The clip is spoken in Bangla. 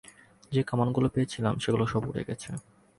যে কামানগুলো পেয়েছিলাম সেগুলো সব উড়ে গেছে।